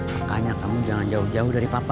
makanya kamu jangan jauh jauh dari papa